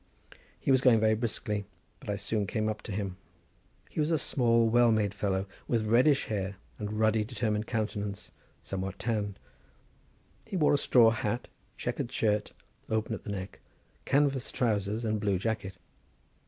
He was going very briskly, but I soon came up to him. He was a small, well made fellow, with reddish hair and ruddy, determined countenance, somewhat tanned. He wore a straw hat, checkered shirt, open at the neck, canvas trowsers, and blue jacket.